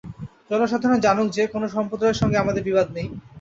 জনসাধারণ জানুক যে, কোন সম্প্রদায়ের সঙ্গে আমাদের বিবাদ নেই।